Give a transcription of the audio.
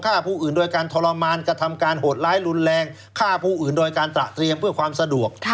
ฆ่าผู้อื่นโดยการทรมานกระทำการโหดร้ายรุนแรงฆ่าผู้อื่นโดยการตระเตรียมเพื่อความสะดวก